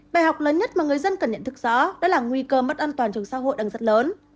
bài học lớn nhất mà người dân cần nhận thức rõ đã là nguy cơ mất an toàn trong xã hội đang rất lớn